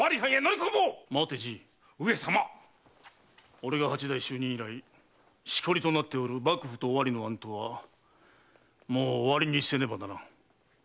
俺が八代就任以来しこりとなっておる幕府と尾張の暗闘はもう終わりにせねばならぬ。